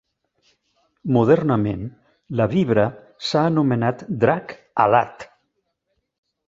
Modernament, la Vibra s’ha anomenat Drac Alat.